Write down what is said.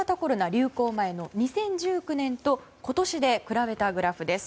流行前の２０１９年と今年で比べたグラフです。